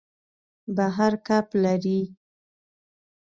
بحر کب لري.